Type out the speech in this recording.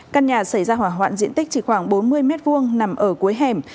căn nhà xảy ra hỏa hoạn diện tích chỉ khoảng bốn mươi m hai nằm ở cuối hẻm